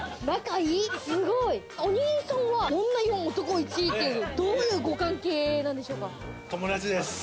お兄さんは女４、男１っていう、どういうご関係なんですか？